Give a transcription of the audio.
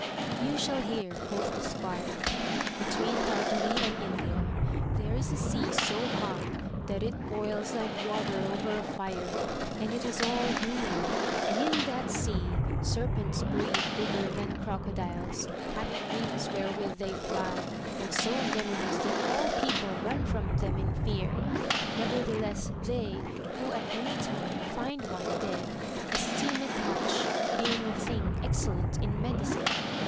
You shall hear, quoth the squire : between Tartary and India there is a sea so hot, that it boils like water over a fire, and it is all green ; and in that sea serpents breed bigger than crocodiles, having wings wherewith they fly, and so venomous that all people run from them in fear ; nevertheless, they who at any time find one dead esteem it much, being a thing excellent in medicine.